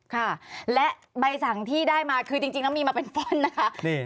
คำและใบสั่งที่ได้มาคือจริงจริงต้องมีมาเป็นผ้อนนะคะ